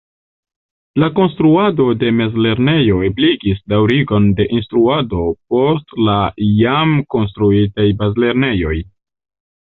La konstruado de mezlernejo ebligis daŭrigon de instruado post la jam konstruitaj bazlernejoj.